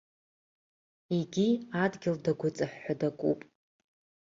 Егьи адгьыл дагәыҵвҳәҳәа дакуп.